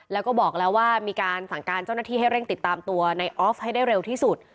แล้วก็บอกแล้วว่ามีการสั่งการเจ้าหน้าที่ให้เร่งติดตามตัวในออฟให้ได้เร็วที่สุด